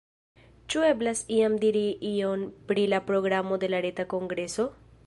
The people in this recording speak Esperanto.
Ĉu eblas jam diri ion pri la programo de la reta kongreso?